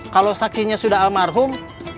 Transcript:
kalau saksinya sudah almarhum